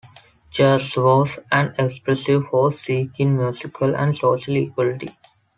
Jazz was an expressive force seeking musical and social equality.